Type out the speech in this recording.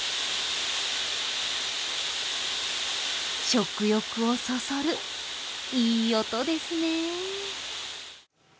食欲をそそるいい音ですね。